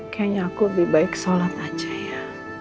kayaknya aku lebih baik sholat aja ya